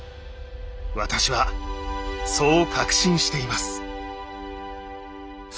私はそう確信しています。